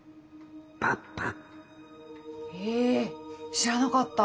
知らなかった！